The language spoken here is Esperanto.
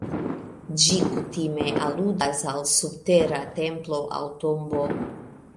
Ĝi kutime aludas al subtera templo aŭ tombo.